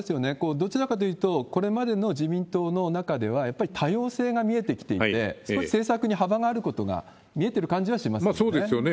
どちらかというと、これまでの自民党の中では、やっぱり多様性が見えてきているので、少し政策に幅があることがそうですよね。